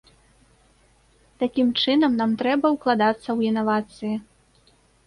Такім чынам, нам трэба ўкладацца ў інавацыі.